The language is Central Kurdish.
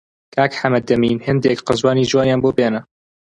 کاک حەمەدەمین هێندێک قەزوانی جوانیان بۆ بێنە!